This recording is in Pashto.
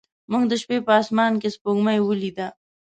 موږ د شپې په اسمان کې سپوږمۍ ولیده.